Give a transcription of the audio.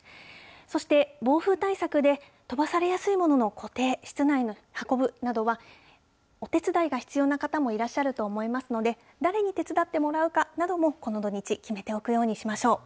そして暴風対策で飛ばされやすいものの固定、室内に運ぶなどは、お手伝いが必要な方もいらっしゃると思いますので、誰に手伝ってもらうかなどもこの土日、決めておくようにしましょう。